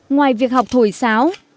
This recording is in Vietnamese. ngoài việc học thổi sáo